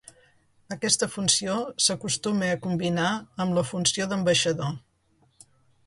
Aquesta funció s'acostuma a combinar amb la funció d'ambaixador.